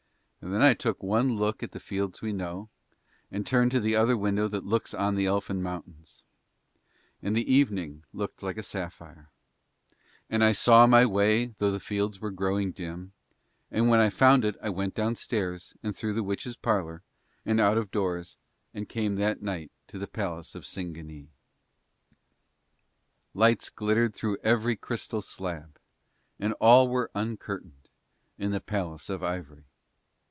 And then I took one look at the fields we know, and turned to the other window that looks on the elfin mountains. And the evening looked like a sapphire. And I saw my way though the fields were growing dim, and when I found it I went downstairs and through the witch's parlour, and out of doors and came that night to the palace of Singanee. Lights glittered through every crystal slab and all were uncurtained in the palace of ivory.